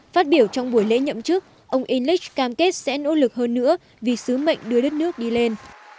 phát biểu trong buổi lễ nhậm chức ông inlech cam kết sẽ nỗ lực hơn nữa vì sứ mệnh đưa đất nước đi lên